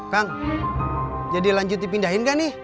kang jadi lanjut dipindahin gak nih